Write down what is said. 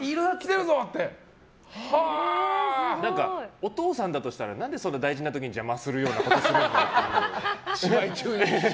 お父さんだとしたら何でそんな大事な時に邪魔するようなことするのって。